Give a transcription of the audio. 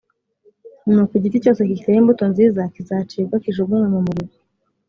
nuko igiti cyose kitera imbuto nziza kizacibwa, kijugunywe mu muriro.